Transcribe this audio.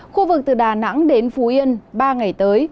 khu vực từ đà nẵng đến phú yên ba ngày tới